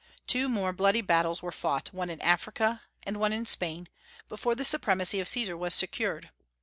Two more bloody battles were fought one in Africa and one in Spain before the supremacy of Caesar was secured.